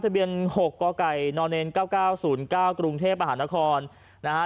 ทะเบียน๖กกน๙๙๐๙กรุงเทพมหานครนะฮะ